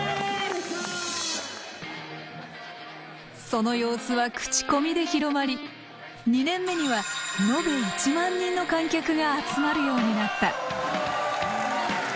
その様子は口コミで広まり２年目には延べ１万人の観客が集まるようになった。